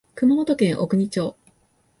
熊本県小国町